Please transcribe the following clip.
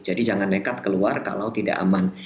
jadi jangan dekat keluar kalau tidak aman